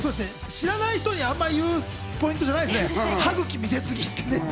知らない人にあんまり言うポイントじゃありませんね、歯茎見せすぎって。